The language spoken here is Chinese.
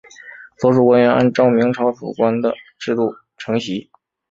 所属官员按照明朝土官的制度承袭。